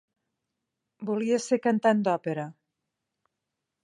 Volia ser cantant d'òpera.